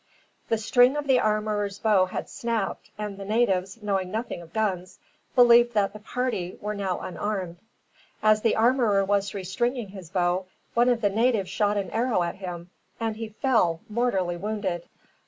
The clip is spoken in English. The string of the armorer's bow had snapped, and the natives, knowing nothing of guns, believed that the party were now unarmed. As the armorer was restringing his bow, one of the natives shot an arrow at him, and he fell, mortally wounded.